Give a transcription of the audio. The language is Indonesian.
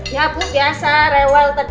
ya bu biasa rewel tadi